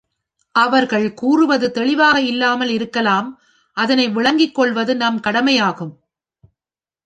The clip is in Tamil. அவர்கள் கூறுவது தெளிவாக இல்லாமல் இருக்கலாம் அதனை விளங்கிக்கொள்வது நம் கடமையாகும்.